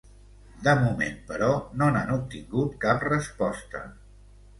De moment, però, no n’han obtingut cap resposta.